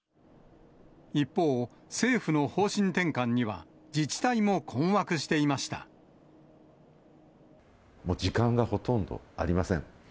一方、政府の方針転換には自治体も困惑していました。もう時間がほとんどありません。